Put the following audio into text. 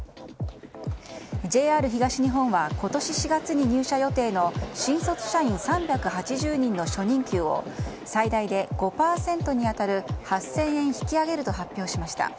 ＪＲ東日本は今年４月に入社予定の新卒社員３８０人の初任給を最大で５％に当たる、８０００円引き上げると発表しました。